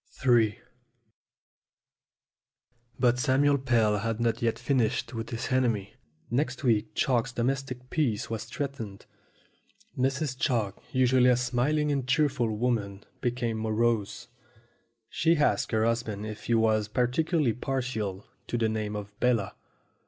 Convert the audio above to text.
34 STORIES WITHOUT TEARS in BUT Samuel Pell had not yet finished with his enemy. Next week Chalk's domestic peace was threatened. Mrs. Chalk, usually a smiling and cheerful woman, became morose. She asked her husband if he was particularly partial to the name of Bella.